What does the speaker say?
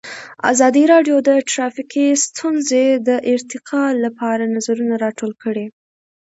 ازادي راډیو د ټرافیکي ستونزې د ارتقا لپاره نظرونه راټول کړي.